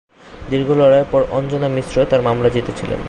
দীর্ঘ লড়াইয়ের পর অঞ্জনা মিশ্র তার মামলা জিতেছিলেন।